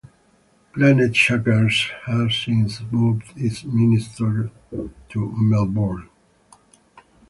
Planetshakers has since moved its ministry to Melbourne.